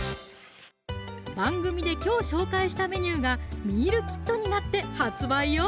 番組で今日紹介したメニューがミールキットになって発売よ